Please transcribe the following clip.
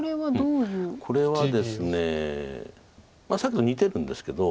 これはですねさっきと似てるんですけど。